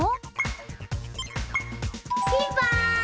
ピンポーン！